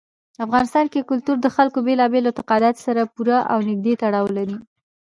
افغانستان کې کلتور د خلکو له بېلابېلو اعتقاداتو سره پوره او نږدې تړاو لري.